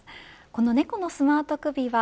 このネコのスマート首輪